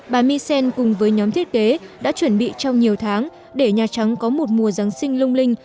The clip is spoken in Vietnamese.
bà michel cùng với nhóm thiết kế đã chuẩn bị trong nhiều tháng để nhà trắng có một mùa giáng sinh lung linh